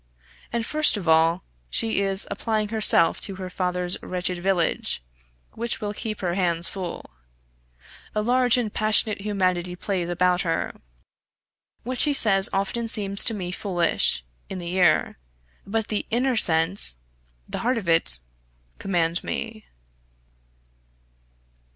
And first of all, she is applying herself to her father's wretched village, which will keep her hands full. A large and passionate humanity plays about her. What she says often seems to me foolish in the ear; but the inner sense, the heart of it, command me.